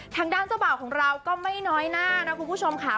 เจ้าบ่าวของเราก็ไม่น้อยหน้านะคุณผู้ชมค่ะ